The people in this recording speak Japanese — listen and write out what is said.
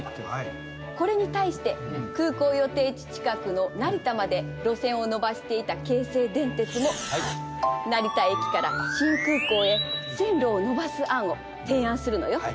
これに対して空港予定地近くの成田まで路線をのばしていた京成電鉄も成田駅から新空港へ線路をのばす案を提案するのよ。